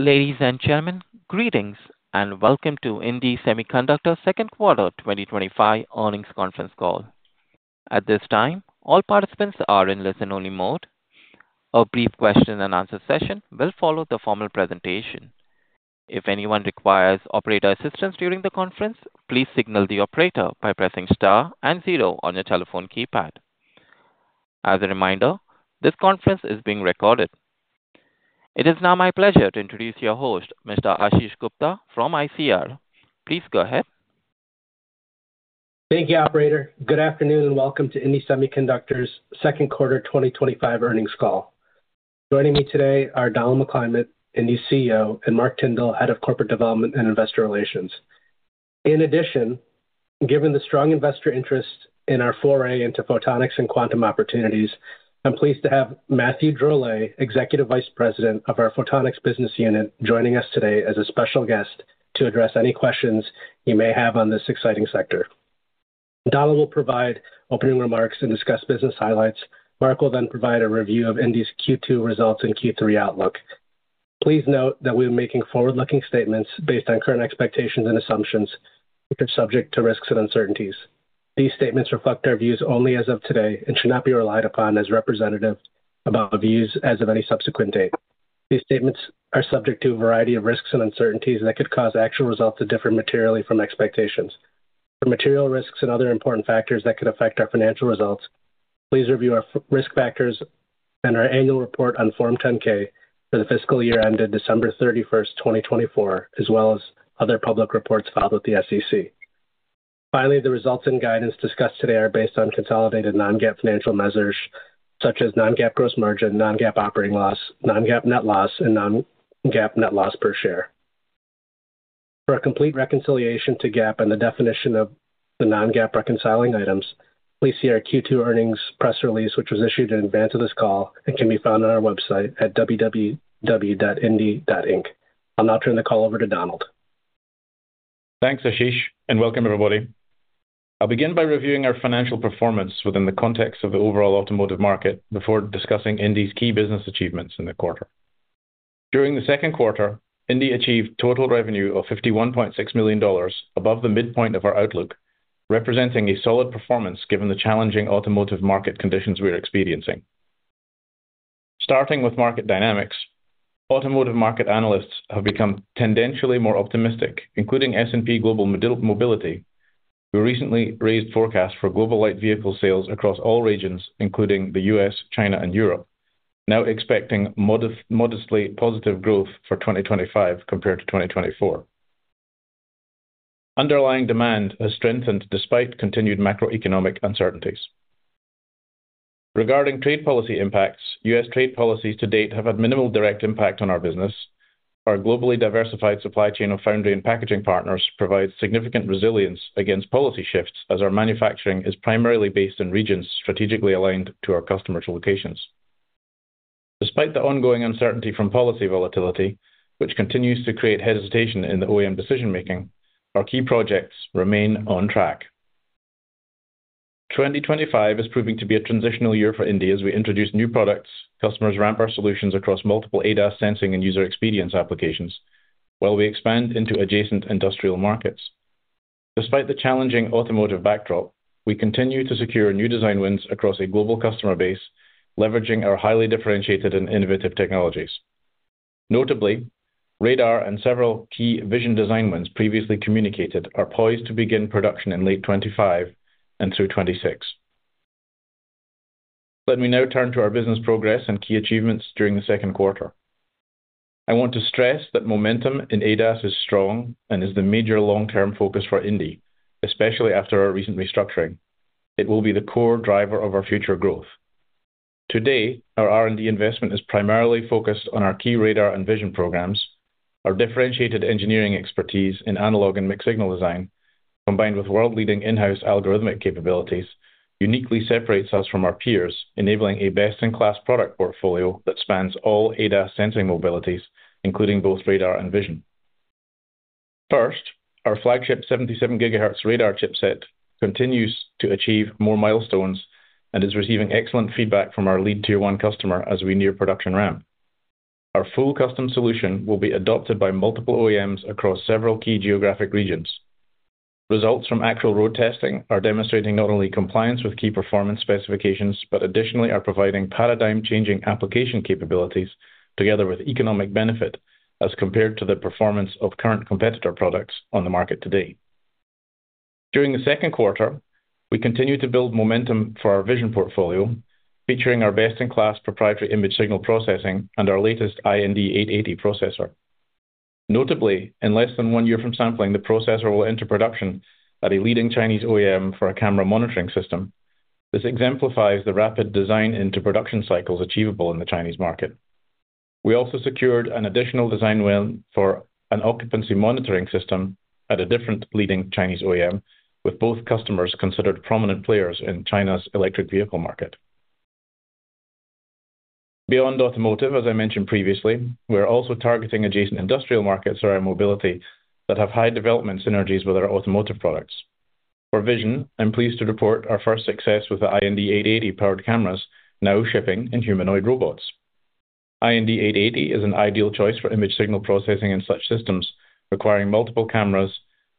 Ladies and gentlemen, greetings and welcome to indie Semiconductor's Second Quarter 2025 Earnings Conference Call. At this time, all participants are in listen-only mode. A brief question-and-answer session will follow the formal presentation. If anyone requires operator assistance during the conference, please signal the operator by pressing star and zero on your telephone keypad. As a reminder, this conference is being recorded. It is now my pleasure to introduce your host, Mr. Ashish Gupta from ICR. Please go ahead. Thank you, operator. Good afternoon and welcome to indie Semiconductor's Second Quarter 2025 Earnings Call. Joining me today are Donald McClymont, Indie CEO, and Mark Tyndall, Head of Corporate Development and Investor Relations. In addition, given the strong investor interest in our foray into photonics and quantum opportunities, I'm pleased to have Mathieu Drolet, Executive Vice President of our Photonics Business Unit, joining us today as a special guest to address any questions you may have on this exciting sector. Donald will provide opening remarks and discuss business highlights. Mark will then provide a review of indie's Q2 results and Q3 outlook. Please note that we are making forward-looking statements based on current expectations and assumptions, which are subject to risks and uncertainties. These statements reflect our views only as of today and should not be relied upon as representative of our views as of any subsequent date. These statements are subject to a variety of risks and uncertainties that could cause actual results to differ materially from expectations. For material risks and other important factors that could affect our financial results, please review our risk factors and our annual report on Form 10-K for the fiscal year ended December 31, 2024, as well as other public reports filed with the SEC. Finally, the results and guidance discussed today are based on consolidated non-GAAP financial measures such as non-GAAP gross margin, non-GAAP operating loss, non-GAAP net loss, and non-GAAP net loss per share. For a complete reconciliation to GAAP and the definition of the non-GAAP reconciling items, please see our Q2 earnings press release, which was issued in advance of this call and can be found on our website at www.indie.inc. I'll now turn the call over to Donald. Thanks, Ashish, and welcome everybody. I'll begin by reviewing our financial performance within the context of the overall automotive market before discussing indie's key business achievements in the quarter. During the second quarter, indie achieved total revenue of $51.6 million, above the midpoint of our outlook, representing a solid performance given the challenging automotive market conditions we are experiencing. Starting with market dynamics, automotive market analysts have become tendentially more optimistic, including S&P Global Mobility, who recently raised forecasts for global light vehicle sales across all regions, including the U.S., China, and Europe, now expecting modestly positive growth for 2025 compared to 2024. Underlying demand has strengthened despite continued macroeconomic uncertainties. Regarding trade policy impacts, U.S. trade policies to date have had minimal direct impact on our business. Our globally diversified supply chain of foundry and packaging partners provides significant resilience against policy shifts as our manufacturing is primarily based in regions strategically aligned to our customers' locations. Despite the ongoing uncertainty from policy volatility, which continues to create hesitation in the OEM decision-making, our key projects remain on track. 2025 is proving to be a transitional year for indie as we introduce new products, customers ramp our solutions across multiple ADAS sensing and user experience applications, while we expand into adjacent industrial markets. Despite the challenging automotive backdrop, we continue to secure new design wins across a global customer base, leveraging our highly differentiated and innovative technologies. Notably, radar and several key vision design wins previously communicated are poised to begin production in late 2025 and through 2026. Let me now turn to our business progress and key achievements during the second quarter. I want to stress that momentum in ADAS is strong and is the major long-term focus for indie, especially after our recent restructuring. It will be the core driver of our future growth. Today, our R&D investment is primarily focused on our key radar and vision programs. Our differentiated engineering expertise in analog and mixed signal design, combined with world-leading in-house algorithmic capabilities, uniquely separates us from our peers, enabling a best-in-class product portfolio that spans all ADAS sensing mobilities, including both radar and vision. First, our flagship 77 GHz radar chipset continues to achieve more milestones and is receiving excellent feedback from our lead tier one customer as we near production ramp. Our full custom solution will be adopted by multiple OEMs across several key geographic regions. Results from actual road testing are demonstrating not only compliance with key performance specifications, but additionally are providing paradigm-changing application capabilities together with economic benefit as compared to the performance of current competitor products on the market today. During the second quarter, we continue to build momentum for our vision portfolio, featuring our best-in-class proprietary image signal processing and our latest iND880 processor. Notably, in less than one year from sampling, the processor will enter production at a leading Chinese OEM for a camera monitoring system. This exemplifies the rapid design into production cycles achievable in the Chinese market. We also secured an additional design win for an occupancy monitoring system at a different leading Chinese OEM, with both customers considered prominent players in China's electric vehicle market. Beyond automotive, as I mentioned previously, we're also targeting adjacent industrial markets for our mobility that have high development synergies with our automotive products. For vision, I'm pleased to report our first success with the iND880 powered cameras, now shipping in humanoid robots. iND880 is an ideal choice for image signal processing in such systems, requiring multiple cameras,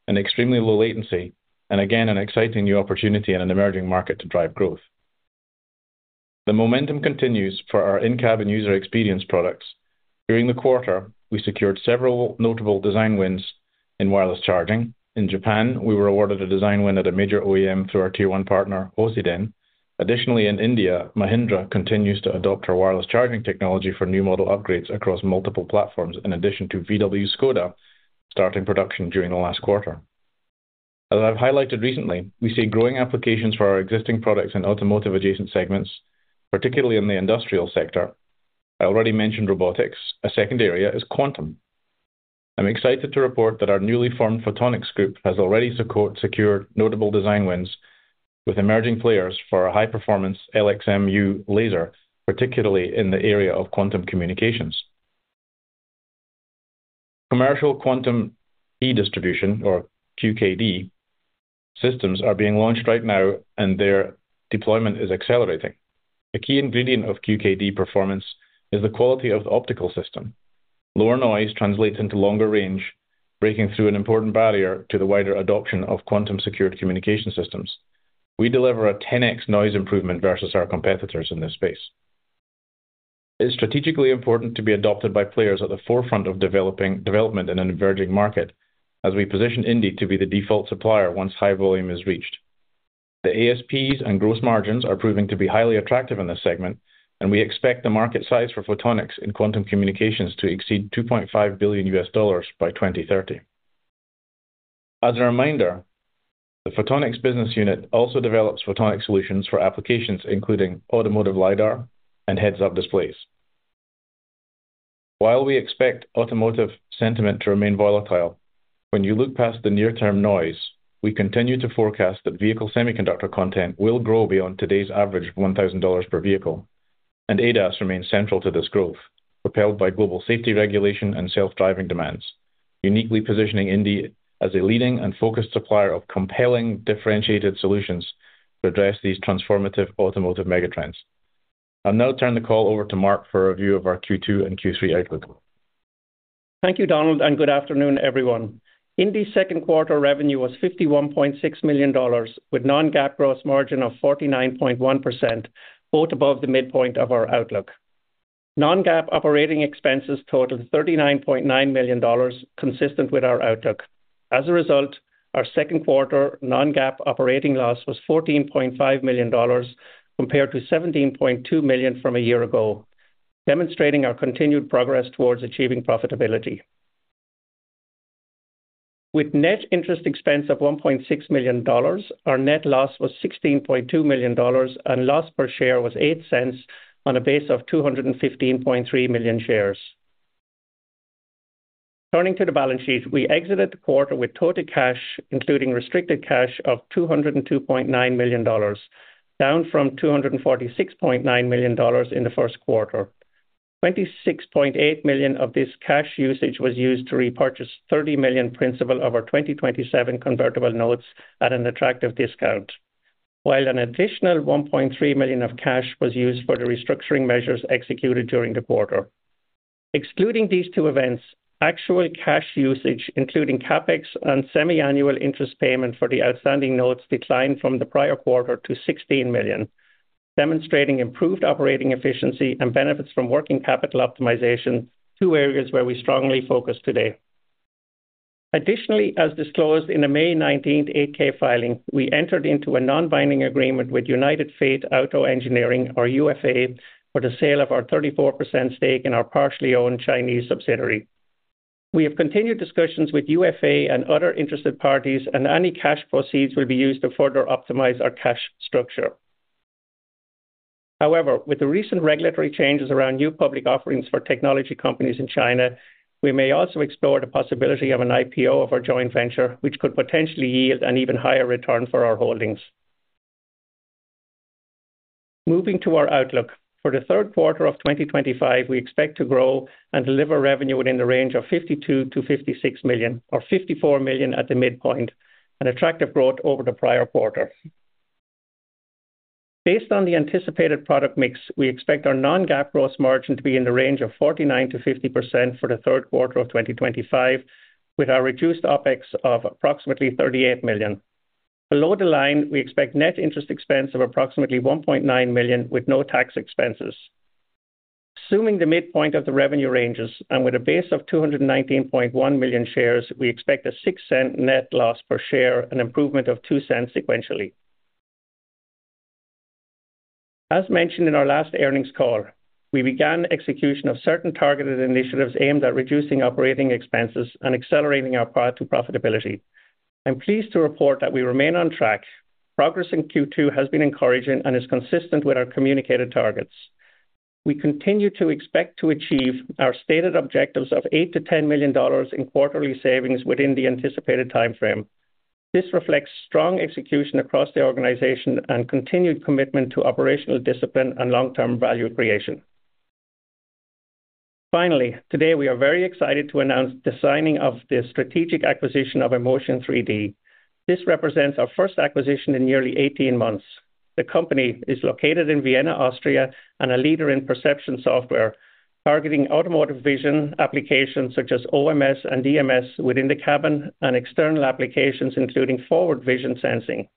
an extremely low latency, and again an exciting new opportunity in an emerging market to drive growth. The momentum continues for our in-cab and user experience products. During the quarter, we secured several notable design wins in wireless charging. In Japan, we were awarded a design win at a major OEM through our tier one partner, Hosiden. Additionally, in India, Mahindra continues to adopt our wireless charging technology for new model upgrades across multiple platforms, in addition to VW Škoda, starting production during the last quarter. As I've highlighted recently, we see growing applications for our existing products in automotive adjacent segments, particularly in the industrial sector. I already mentioned robotics. A second area is quantum. I'm excited to report that our newly formed Photonics Group has already secured notable design wins with emerging players for a high-performance LXM laser, particularly in the area of quantum communications. Commercial quantum e-distribution, or QKD, systems are being launched right now, and their deployment is accelerating. A key ingredient of QKD performance is the quality of the optical system. Lower noise translates into longer range, breaking through an important barrier to the wider adoption of quantum-secured communication systems. We deliver a 10x noise improvement versus our competitors in this space. It is strategically important to be adopted by players at the forefront of development in an emerging market, as we position indie to be the default supplier once high volume is reached. The ASPs and gross margins are proving to be highly attractive in this segment, and we expect the market size for photonics in quantum communications to exceed $2.5 billion by 2030. As a reminder, the Photonics Business Unit also develops photonic solutions for applications including automotive lidar and heads-up displays. While we expect automotive sentiment to remain volatile, when you look past the near-term noise, we continue to forecast that vehicle semiconductor content will grow beyond today's average of $1,000 per vehicle, and ADAS remains central to this growth, propelled by global safety regulation and self-driving demands, uniquely positioning indie as a leading and focused supplier of compelling, differentiated solutions to address these transformative automotive megatrends. I'll now turn the call over to Mark for a review of our Q2 and Q3 outlook. Thank you, Donald, and good afternoon, everyone. indie's second quarter revenue was $51.6 million, with a non-GAAP gross margin of 49.1%, both above the midpoint of our outlook. Non-GAAP operating expenses totaled $39.9 million, consistent with our outlook. As a result, our second quarter non-GAAP operating loss was $14.5 million, compared to $17.2 million from a year ago, demonstrating our continued progress towards achieving profitability. With net interest expense of $1.6 million, our net loss was $16.2 million, and loss per share was $0.08 on a base of 215.3 million shares. Turning to the balance sheet, we exited the quarter with total cash, including restricted cash, of $202.9 million, down from $246.9 million in the first quarter. $26.8 million of this cash usage was used to repurchase $30 million principal of our 2027 convertible notes at an attractive discount, while an additional $1.3 million of cash was used for the restructuring measures executed during the quarter. Excluding these two events, actual cash usage, including CapEx and semi-annual interest payment for the outstanding notes, declined from the prior quarter to $16 million, demonstrating improved operating efficiency and benefits from working capital optimization, two areas where we strongly focus today. Additionally, as disclosed in the May 19th 8-K filing, we entered into a non-binding agreement with United Fate Auto Engineering, or UFA, for the sale of our 34% stake in our partially owned Chinese subsidiary. We have continued discussions with UFA and other interested parties, and any cash proceeds will be used to further optimize our cash structure. However, with the recent regulatory changes around new public offerings for technology companies in China, we may also explore the possibility of an IPO of our joint venture, which could potentially yield an even higher return for our holdings. Moving to our outlook, for the third quarter of 2025, we expect to grow and deliver revenue within the range of $52 million-$56 million, or $54 million at the midpoint, an attractive growth over the prior quarter. Based on the anticipated product mix, we expect our non-GAAP gross margin to be in the range of 49%-50% for the third quarter of 2025, with our reduced OpEx of approximately $38 million. Below the line, we expect net interest expense of approximately $1.9 million, with no tax expenses. Assuming the midpoint of the revenue ranges, and with a base of 219.1 million shares, we expect a $0.06 net loss per share, an improvement of $0.02 sequentially. As mentioned in our last earnings call, we began execution of certain targeted initiatives aimed at reducing operating expenses and accelerating our path to profitability. I'm pleased to report that we remain on track. Progress in Q2 has been encouraging and is consistent with our communicated targets. We continue to expect to achieve our stated objectives of $8 million-$10 million in quarterly savings within the anticipated timeframe. This reflects strong execution across the organization and continued commitment to operational discipline and long-term value creation. Finally, today we are very excited to announce the signing of the strategic acquisition of emotion3D. This represents our first acquisition in nearly 18 months. The company is located in Vienna, Austria, and a leader in perception software, targeting automotive vision applications such as OMS and DMS within the cabin and external applications, including forward vision sensing.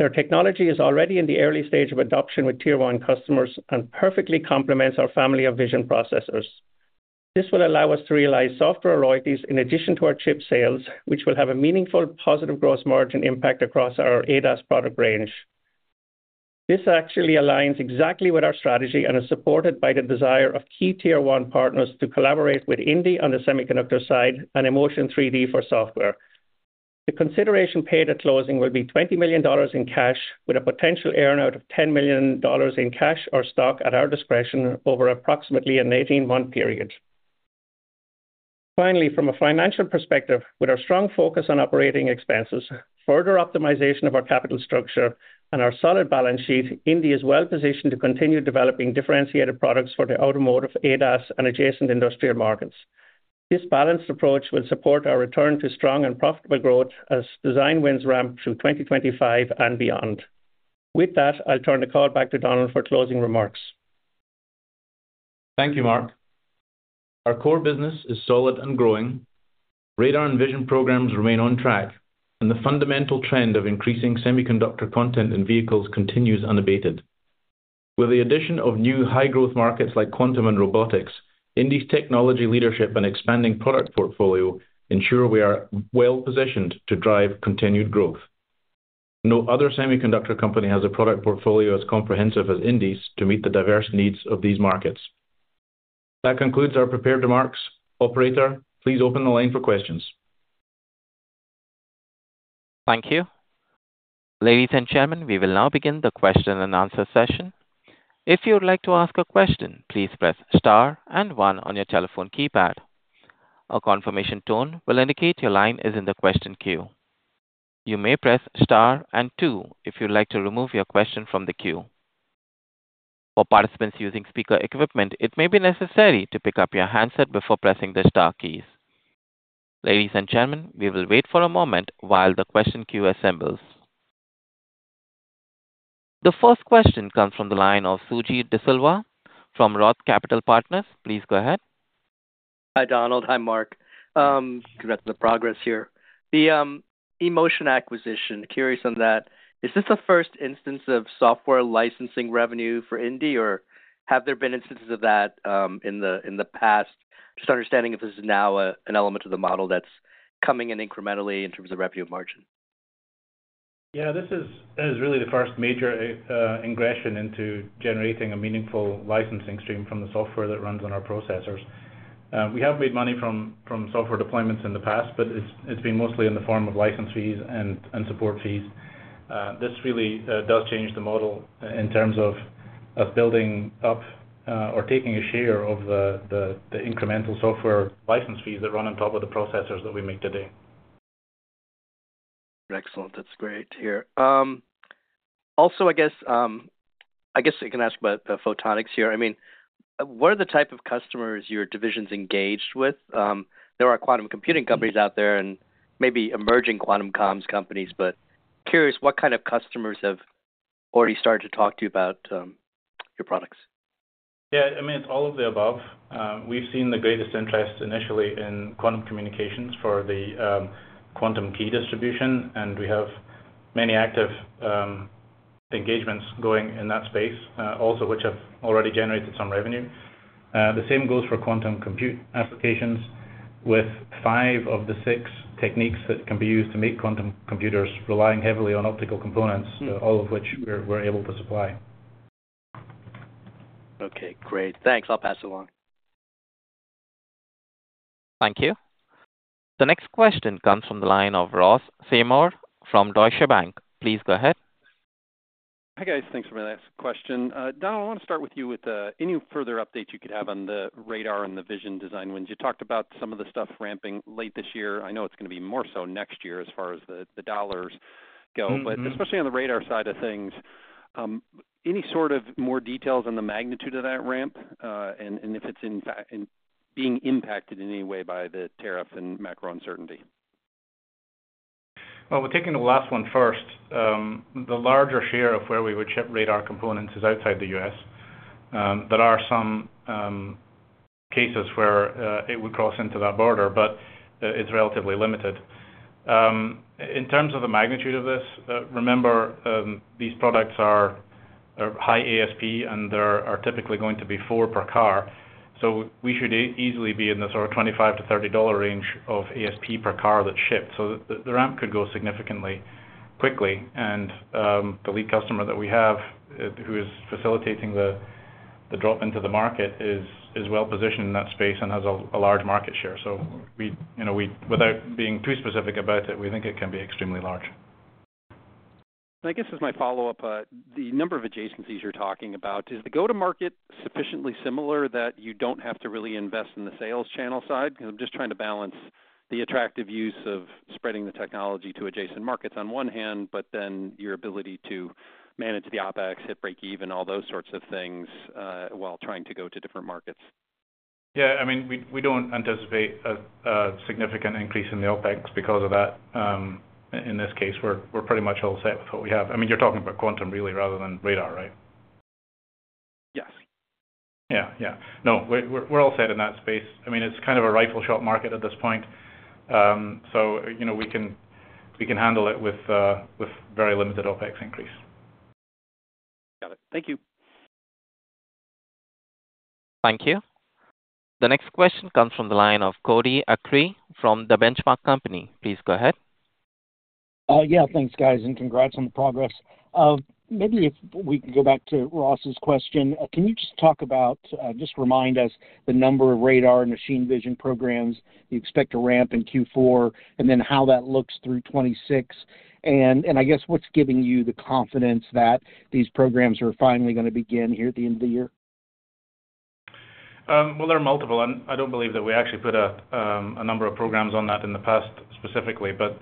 Their technology is already in the early stage of adoption with tier one customers and perfectly complements our family of vision processors. This will allow us to realize software royalties in addition to our chip sales, which will have a meaningful positive gross margin impact across our ADAS product range. This actually aligns exactly with our strategy and is supported by the desire of key tier one partners to collaborate with indie on the semiconductor side and emotion3D for software. The consideration paid at closing will be $20 million in cash, with a potential earnout of $10 million in cash or stock at our discretion over approximately an 18-month period. Finally, from a financial perspective, with our strong focus on operating expenses, further optimization of our capital structure, and our solid balance sheet, indie is well positioned to continue developing differentiated products for the automotive, ADAS, and adjacent industrial markets. This balanced approach will support our return to strong and profitable growth as design wins ramp through 2025 and beyond. With that, I'll turn the call back to Donald for closing remarks. Thank you, Mark. Our core business is solid and growing. Radar and vision programs remain on track, and the fundamental trend of increasing semiconductor content in vehicles continues unabated. With the addition of new high-growth markets like quantum and robotics, indie's technology leadership and expanding product portfolio ensure we are well positioned to drive continued growth. No other semiconductor company has a product portfolio as comprehensive as indie's to meet the diverse needs of these markets. That concludes our prepared remarks. Operator, please open the line for questions. Thank you. Ladies and gentlemen, we will now begin the question-and-answer session. If you would like to ask a question, please press star and one on your telephone keypad. A confirmation tone will indicate your line is in the question queue. You may press star and two if you would like to remove your question from the queue. For participants using speaker equipment, it may be necessary to pick up your handset before pressing the star keys. Ladies and gentlemen, we will wait for a moment while the question queue assembles. The first question comes from the line of Suji Desilva from ROTH Capital Partners. Please go ahead. Hi, Donald. Hi, Mark. Congrats on the progress here. The emotion3D acquisition, curious on that. Is this the first instance of software licensing revenue for indie Semiconductor, or have there been instances of that in the past? Just understanding if this is now an element of the model that's coming in incrementally in terms of revenue margin. Yeah, this is really the first major ingression into generating a meaningful licensing stream from the software that runs on our processors. We have made money from software deployments in the past, but it's been mostly in the form of license fees and support fees. This really does change the model in terms of building up or taking a share of the incremental software license fees that run on top of the processors that we make today. Excellent. That's great to hear. Also, I guess I can ask about photonics here. I mean, what are the type of customers your division's engaged with? There are quantum computing companies out there and maybe emerging quantum communications companies, but curious what kind of customers have already started to talk to you about your products. Yeah, I mean, it's all of the above. We've seen the greatest interest initially in quantum communications for the quantum key distribution, and we have many active engagements going in that space, which have already generated some revenue. The same goes for quantum compute applications, with five of the six techniques that can be used to make quantum computers relying heavily on optical components, all of which we're able to supply. Okay, great. Thanks. I'll pass it along. Thank you. The next question comes from the line of Ross Seymore from Deutsche Bank. Please go ahead. Hey, guys. Thanks for my last question. Donald, I want to start with you with any further updates you could have on the radar and the vision design wins. You talked about some of the stuff ramping late this year. I know it's going to be more so next year as far as the dollars go, but especially on the radar side of things, any sort of more details on the magnitude of that ramp and if it's being impacted in any way by the tariff and macro uncertainty? Taking the last one first, the larger share of where we would ship radar components is outside the U.S. There are some cases where it would cross into that border, but it's relatively limited. In terms of the magnitude of this, remember these products are high ASP, and there are typically going to be four per car. We should easily be in the sort of $25-$30 range of ASP per car that's shipped. The ramp could go significantly quickly. The lead customer that we have, who is facilitating the drop into the market, is well positioned in that space and has a large market share. Without being too specific about it, we think it can be extremely large. I guess as my follow-up, the number of adjacencies you're talking about, is the go-to-market sufficiently similar that you don't have to really invest in the sales channel side? I'm just trying to balance the attractive use of spreading the technology to adjacent markets on one hand, but then your ability to manage the OpEx, hit break even, all those sorts of things while trying to go to different markets. Yeah, I mean, we don't anticipate a significant increase in the OpEx because of that. In this case, we're pretty much all set with what we have. I mean, you're talking about quantum really rather than radar, right? Yes. Yeah, we're all set in that space. I mean, it's kind of a rifle shop market at this point. We can handle it with very limited OpEx increase. Got it. Thank you. Thank you. The next question comes from the line of Cody Acree from the Benchmark Company. Please go ahead. Yeah, thanks, guys, and congrats on the progress. Maybe if we could go back to Ross's question, can you just talk about, just remind us, the number of radar and machine vision programs you expect to ramp in Q4 and then how that looks through 2026? I guess what's giving you the confidence that these programs are finally going to begin here at the end of the year? There are multiple, and I don't believe that we actually put a number of programs on that in the past specifically, but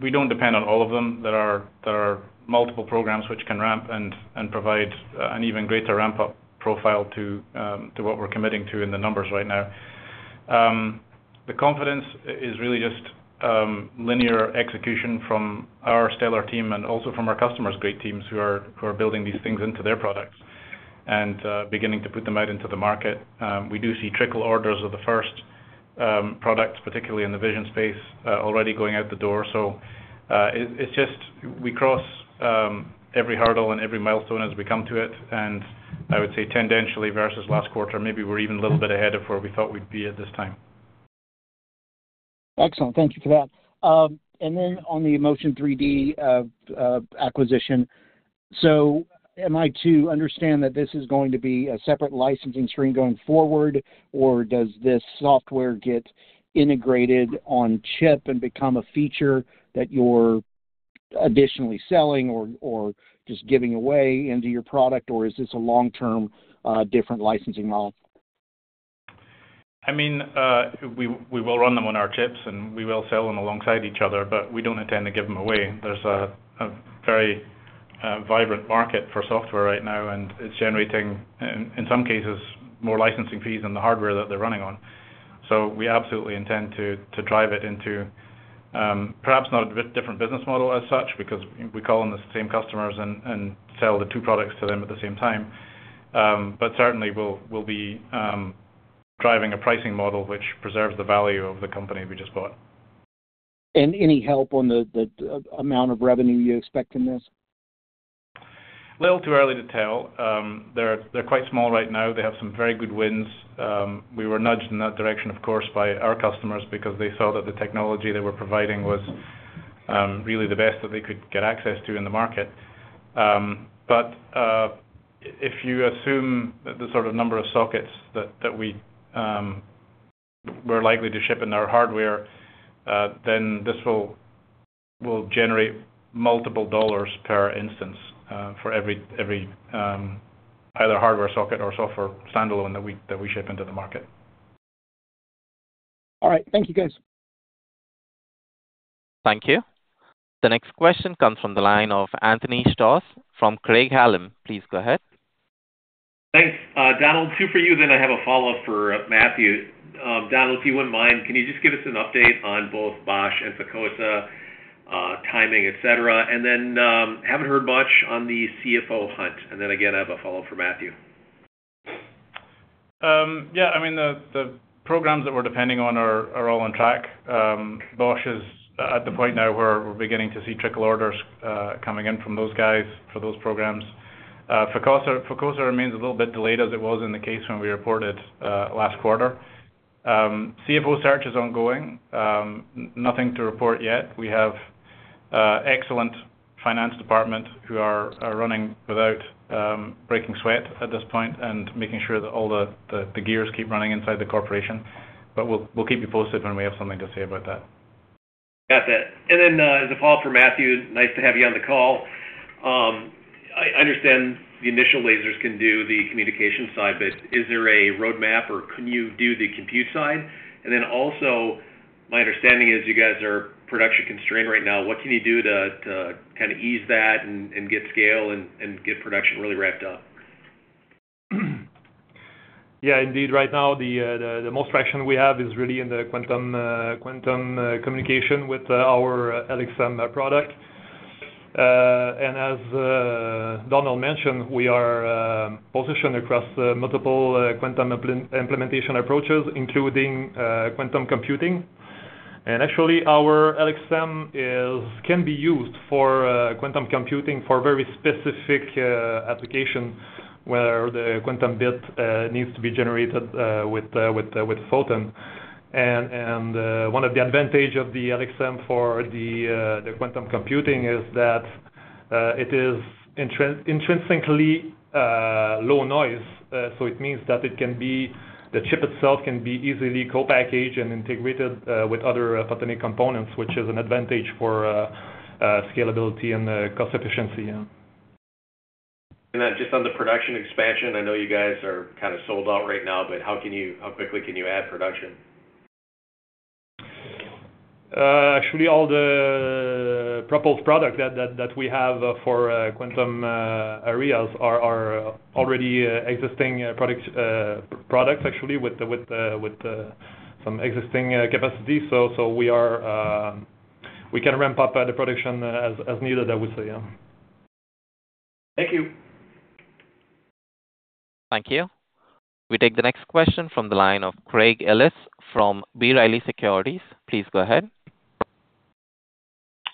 we don't depend on all of them. There are multiple programs which can ramp and provide an even greater ramp-up profile to what we're committing to in the numbers right now. The confidence is really just linear execution from our stellar team and also from our customers, great teams who are building these things into their products and beginning to put them out into the market. We do see trickle orders of the first products, particularly in the vision space, already going out the door. We cross every hurdle and every milestone as we come to it. I would say tendentially versus last quarter, maybe we're even a little bit ahead of where we thought we'd be at this time. Excellent. Thank you for that. On the emotion3D acquisition, am I to understand that this is going to be a separate licensing stream going forward, or does this software get integrated on chip and become a feature that you're additionally selling or just giving away into your product, or is this a long-term different licensing model? I mean, we will run them on our chips, and we will sell them alongside each other, but we don't intend to give them away. There's a very vibrant market for software right now, and it's generating, in some cases, more licensing fees than the hardware that they're running on. We absolutely intend to drive it into perhaps not a different business model as such, because we call on the same customers and sell the two products to them at the same time. Certainly, we'll be driving a pricing model which preserves the value of the company we just bought. Can you help on the amount of revenue you expect in this? a little too early to tell. They're quite small right now. They have some very good wins. We were nudged in that direction, of course, by our customers because they saw that the technology they were providing was really the best that they could get access to in the market. If you assume the sort of number of sockets that we're likely to ship in our hardware, this will generate multiple dollars per instance for every either hardware socket or software standalone that we ship into the market. All right. Thank you, guys. Thank you. The next question comes from the line of Anthony Stoss from Craig-Hallum. Please go ahead. Thanks, Donald. Two for you, then I have a follow-up for Mathieu. Donald, if you wouldn't mind, can you just give us an update on both Bosch and Ficosa timing, et cetera? I haven't heard much on the CFO hunt, and then again, I have a follow-up for Mathieu. Yeah, I mean, the programs that we're depending on are all on track. Bosch is at the point now where we're beginning to see trickle orders coming in from those guys for those programs. Ficosa remains a little bit delayed as it was in the case when we reported last quarter. CFO search is ongoing. Nothing to report yet. We have an excellent Finance department who are running without breaking sweat at this point and making sure that all the gears keep running inside the corporation. We'll keep you posted when we have something to say about that. Got that. The follow-up for Mathieu. Nice to have you on the call. I understand the initial lasers can do the communication side, but is there a roadmap or can you do the compute side? My understanding is you guys are production constrained right now. What can you do to kind of ease that and get scale and get production really ramped up? Yeah, indeed. Right now, the most traction we have is really in the quantum communication with our LXM laser product. As Donald mentioned, we are positioned across multiple quantum implementation approaches, including quantum computing. Actually, our LXM laser can be used for quantum computing for a very specific application where the quantum bit needs to be generated with a photon. One of the advantages of the LXM laser for quantum computing is that it is intrinsically low noise. It means that the chip itself can be easily co-packaged and integrated with other photonic components, which is an advantage for scalability and cost efficiency. Just on the production expansion, I know you guys are kind of sold out right now, but how quickly can you add production? All the proposed products that we have for quantum areas are already existing products, with some existing capacity. We can ramp up the production as needed, I would say. Thank you. Thank you. We take the next question from the line of Craig Ellis from B. Riley Securities. Please go ahead.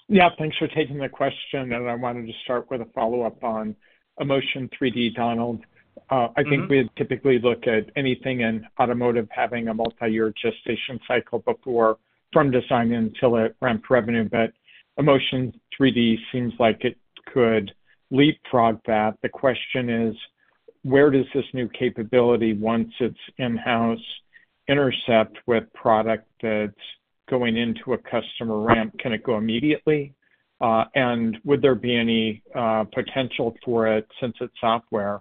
Thank you for taking the question. I wanted to start with a follow-up on emotion3D, Donald. I think we would typically look at anything in automotive having a multi-year gestation cycle before from design until it ramps revenue. emotion3D seems like it could leapfrog that. The question is, where does this new capability, once it's in-house, intersect with product that's going into a customer ramp? Can it go immediately? Would there be any potential for it, since it's software,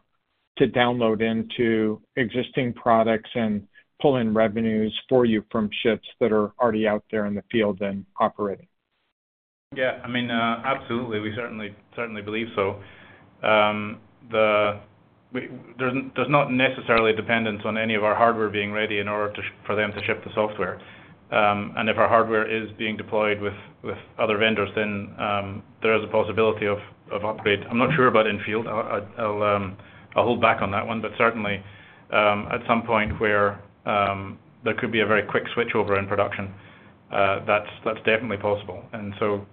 to download into existing products and pull in revenues for you from ships that are already out there in the field and operating? Yeah, I mean, absolutely. We certainly believe so. There's not necessarily a dependence on any of our hardware being ready in order for them to ship the software. If our hardware is being deployed with other vendors, then there is a possibility of upgrade. I'm not sure about in-field. I'll hold back on that one. Certainly, at some point where there could be a very quick switchover in production, that's definitely possible.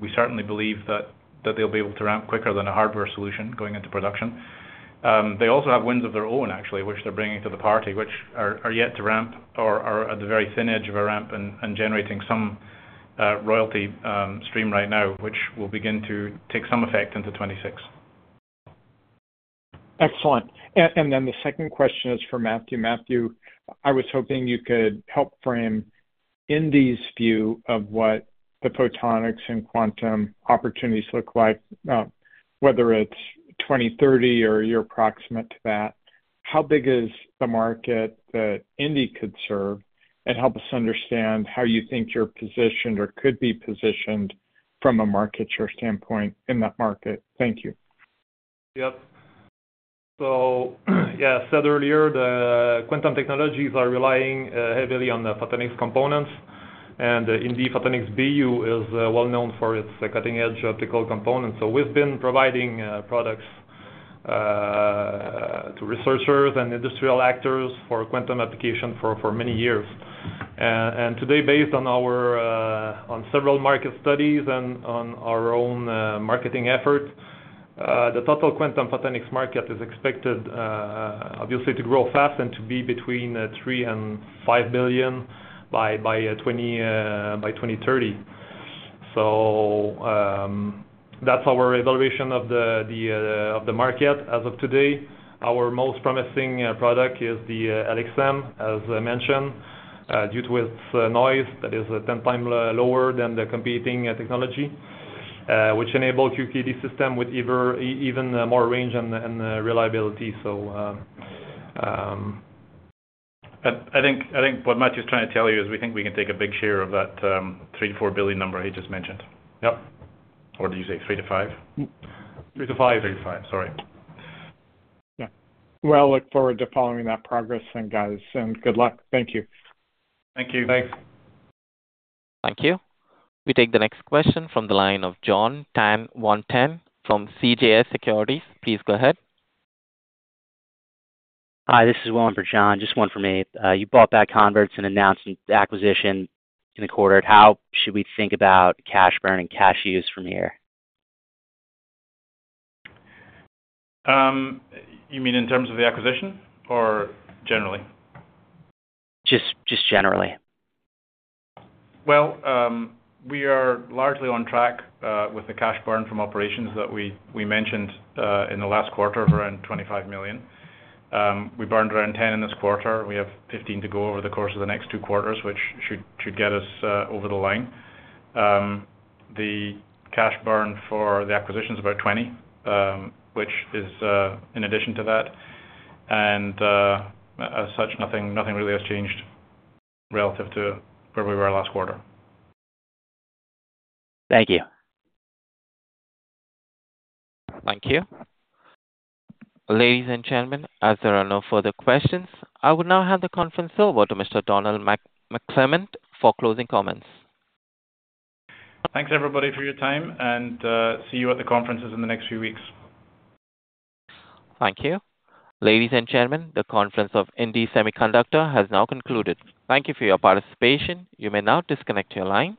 We certainly believe that they'll be able to ramp quicker than a hardware solution going into production. They also have wins of their own, actually, which they're bringing to the party, which are yet to ramp or are at the very thin edge of a ramp and generating some royalty stream right now, which will begin to take some effect into 2026. Excellent. The second question is for Mathieu. Mathieu, I was hoping you could help frame indie's view of what the photonics and quantum opportunities look like, whether it's 2030 or a year approximate to that. How big is the market that indie could serve? Help us understand how you think you're positioned or could be positioned from a market share standpoint in that market. Thank you. Yes. As I said earlier, the quantum technologies are relying heavily on the photonics components. The indie Photonics BU is well known for its cutting-edge optical components. We've been providing products to researchers and industrial actors for quantum applications for many years. Today, based on our several market studies and on our own marketing effort, the total quantum photonics market is expected to grow fast and to be between $3 billion and $5 billion by 2030. That's our evaluation of the market. As of today, our most promising product is the LXM, as I mentioned, due to its noise that is 10x lower than the competing technology, which enables a QKD system with even more range and reliability. I think what Mathieu is trying to tell you is we think we can take a big share of that $3 billion-$4 billion number he just mentioned. Yep. Did you say $3 billion-$5 billion? $3 billion-$5 billion. $3 billion-$5 billion. Sorry. I look forward to following that progress, guys. Good luck. Thank you. Thank you. Thanks. Thank you. We take the next question from the line of John Tanwanteng from CJS Securities. Please go ahead. Hi, this is Willem for John. Just one for me. You bought back convertible notes and announced an acquisition in the quarter. How should we think about cash burn and cash use from here? You mean in terms of the acquisition or generally? Just generally. We are largely on track with the cash burn from operations that we mentioned in the last quarter of around $25 million. We burned around $10 million in this quarter. We have $15 million to go over the course of the next two quarters, which should get us over the line. The cash burn for the acquisition is about $20 million, which is in addition to that. As such, nothing really has changed relative to where we were last quarter. Thank you. Thank you. Ladies and gentlemen, as there are no further questions, I would now hand the conference over to Mr. Donald McClymont for closing comments. Thanks, everybody, for your time, and see you at the conferences in the next few weeks. Thank you. Ladies and gentlemen, the conference of indie Semiconductor has now concluded. Thank you for your participation. You may now disconnect your lines.